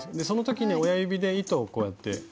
その時に親指で糸をこうやって。